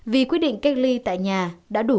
vì quy định cách ly tại nhà đã đủ